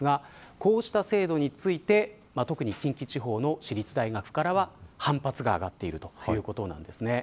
こうした制度について特に近畿地方の私立大学からは反発が上がっているということです。